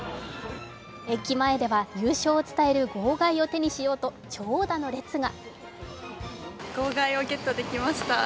駅前では優勝を伝える号外を手にしようと長蛇の列が。